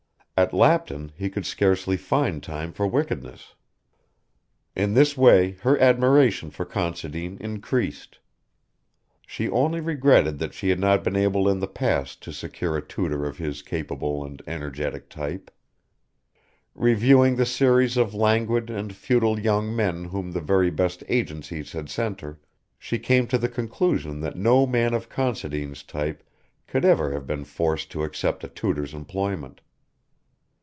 At Lapton he could scarcely find time for wickedness. In this way her admiration for Considine increased. She only regretted that she had not been able in the past to secure a tutor of his capable and energetic type. Reviewing the series of languid and futile young men whom the very best agencies had sent her, she came to the conclusion that no man of Considine's type could ever have been forced to accept a tutor's employment.